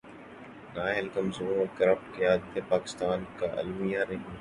نا اہل‘ کمزور اور کرپٹ قیادتیں پاکستان کا المیہ رہی ہیں۔